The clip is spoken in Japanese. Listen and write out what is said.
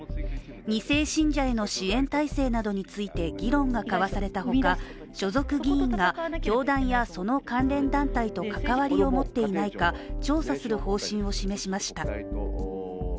２世信者への支援体制などについて議論が交わされたほか、所属議員が教壇やその関連団体と関わりを持っていないか、調査する方針を示しました。